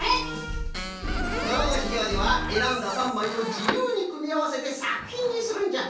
よしではではえらんだ３まいをじゆうにくみあわせてさくひんにするんじゃ。